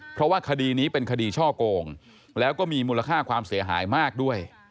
เพราะว่าคดีนี้เป็นคดีช่อโกงแล้วก็มีมูลค่าความเสียหายมากด้วย